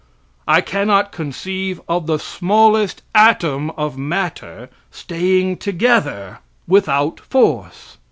I cannot conceive of the smallest atom of matter staying together without force.